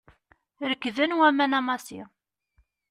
Rekden waman n Massi.